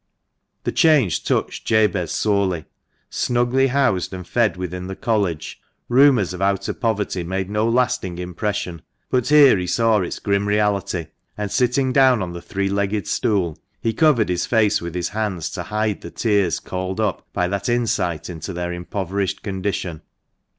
The change touched Jabez sorely. Snugly housed and fed within the College, rumours of outer poverty made no lasting impression ; but here he saw its grim reality, and sitting down on the three legged stool, he covered his face with his hands to hide the tears called up by that insight into their impoverished condition.